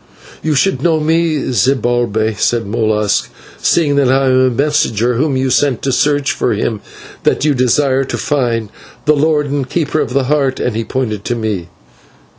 "You should know me, Zibalbay," said Molas, "seeing that I am the messenger whom you sent to search for him that you desire to find, the Lord and Keeper of the Heart," and he pointed to me.